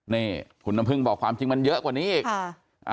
นี่คุณน้ำพึ่งบอกความจริงมันเยอะกว่านี้อีกค่ะ